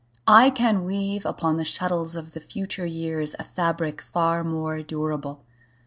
I can weave Upon the shuttles of the future years A fabric far more durable.